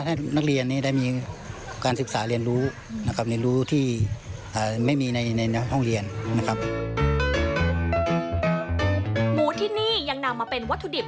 หมูที่นี่ยังนำมาเป็นวัตถุดิบ